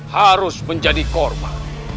harus menjadi korban